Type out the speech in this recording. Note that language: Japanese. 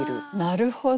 なるほど。